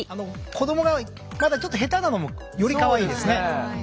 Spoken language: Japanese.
子どもがまだちょっと下手なのもよりカワイイですね。